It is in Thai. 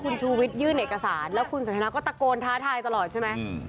คุณชูวิทยื่นเอกสารแล้วคุณสันทนาก็ตะโกนท้าทายตลอดใช่ไหม